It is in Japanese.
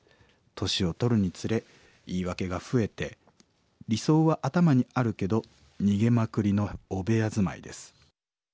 年を取るにつれ言い訳が増えて理想は頭にあるけど逃げまくりの汚部屋住まいです。